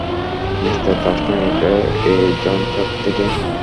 নিস্তার চাস না এই ঝঞ্ঝাট থেকে?